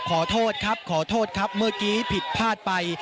ขอโทษครับขอโทษครับเมื่อกี้ผิดพลาดไป